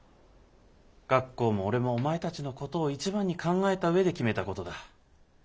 学校も俺もお前たちのことを一番に考えた上で決めたことだ。